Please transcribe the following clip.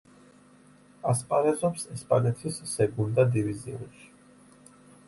ასპარეზობს ესპანეთის სეგუნდა დივიზიონში.